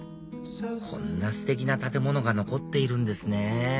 こんなステキな建物が残っているんですね